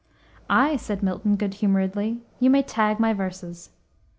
"Ay," said Milton, good humoredly, "you may tag my verses."